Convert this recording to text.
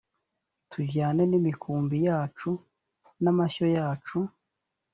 tujyane n imikumbi yacu n’amashyo yacu